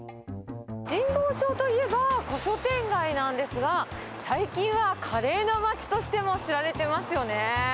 神保町といえば古書店街なんですが、最近はカレーの街としても知られていますよね。